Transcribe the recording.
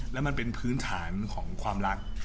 แล้วมันเป็นพื้นฐานของความรัก